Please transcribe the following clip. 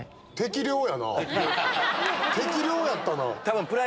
適量やったな。